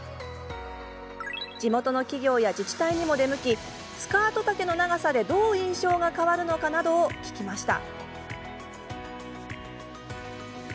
地元の企業や自治体にも出向きスカート丈の長さでどう印象が変わるかなどを聞きました。